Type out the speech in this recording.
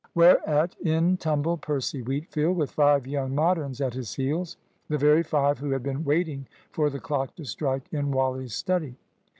Whereat in tumbled Percy Wheatfield with five young Moderns at his heels the very five who had been waiting for the clock to strike in Wally's study.